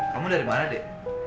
kamu dari mana deh